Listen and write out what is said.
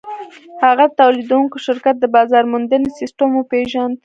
هغه د تولیدوونکي شرکت د بازار موندنې سیسټم وپېژند